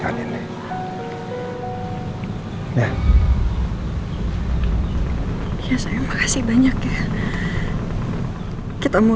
aku janji aku akan jadi istri yang lebih baik lagi buat kamu